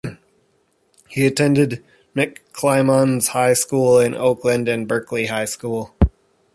He attended McClymonds High School in Oakland and Berkeley High School.